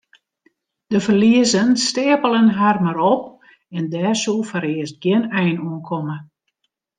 De ferliezen steapelen har mar op en dêr soe foarearst gjin ein oan komme.